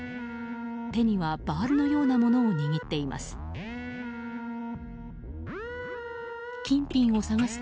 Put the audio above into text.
手にはバールのようなものを握っています。